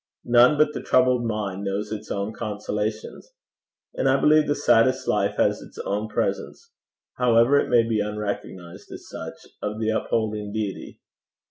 None but the troubled mind knows its own consolations; and I believe the saddest life has its own presence however it may be unrecognized as such of the upholding Deity.